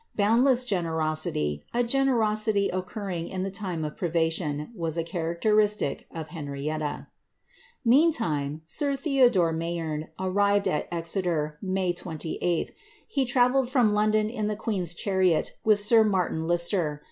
Boundless generosity — a generosity occu^ ring in the time of privation, was a characteristic of Henrietta. Meantime, sir Theodore M ayeme arrived at Exeter,' May 28th ; he travelled from London in the queen's chariot with sir Martin Lister.